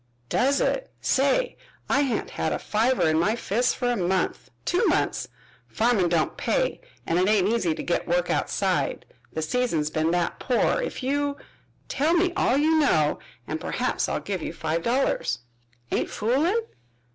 "Does it? Say, I ain't had a fiver in my fist fer a month, two months! Farmin' don't pay, an' it ain't easy to git work outside, the season's been that poor. If you " "Tell me all you know, and perhaps I'll give you five dollars." "Ain't foolin'?"